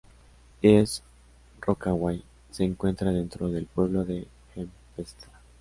East Rockaway se encuentra dentro del pueblo de Hempstead.